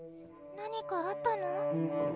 何かあったの？